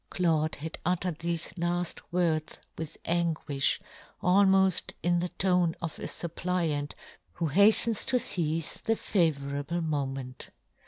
Claude had uttered thefe laft words with anguifh, almoft in the tone of a fuppliant who haftens to feize the favourable moment.